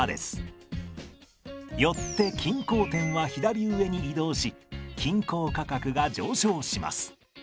よって均衡点は左上に移動し均衡価格が上昇します。